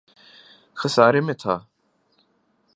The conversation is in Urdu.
خسارے میں تھا